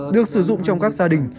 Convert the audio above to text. được sử dụng trong các gia đình